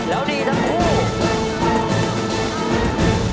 แล้วนี่นะครับ